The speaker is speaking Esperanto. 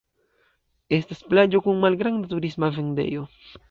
Estas plaĝo kaj malgranda turisma vendejo.